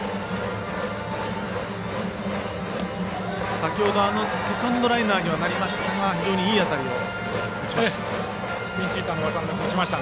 先ほど、セカンドライナーにはなりましたが非常にいい当たりを打ちました。